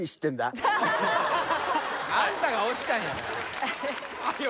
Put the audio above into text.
あんたが押したんやないはよ